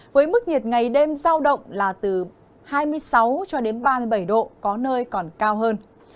với mức nhiệt ngày đêm giao động là từ hai mươi sáu cho đến ba mươi bảy độ có nơi còn cao hơn